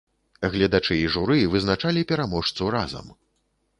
Гледачы і журы вызначалі пераможцу разам.